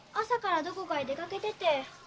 朝からどこかへ出かけてて。